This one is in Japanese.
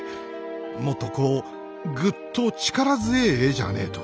もっとこうぐっと力強ぇ絵じゃねえと。